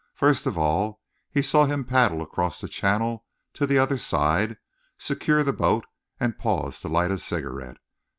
First of all he saw him paddle across the channel to the other side, secure the boat and pause to light a cigarette.